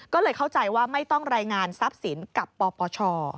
ก็เลยเข้าใจว่าไม่ต้องรายงานทรัพย์สินกับปปช